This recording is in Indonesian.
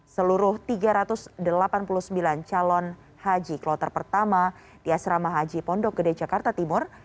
seluruh tiga ratus delapan puluh sembilan calon haji kloter pertama di asrama haji pondok gede jakarta timur